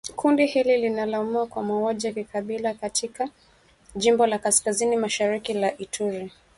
Kundi hili linalaumiwa kwa mauaji ya kikabila katika jimbo la kaskazini mashariki la Ituri